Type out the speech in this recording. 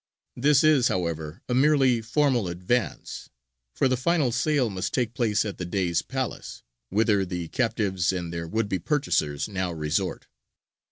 This is, however, a merely formal advance, for the final sale must take place at the Dey's palace, whither the captives and their would be purchasers now resort.